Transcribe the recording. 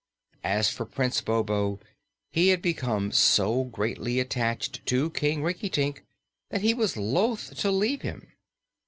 As for prince Bobo, he had become so greatly attached to King Rinkitink that he was loth to leave him.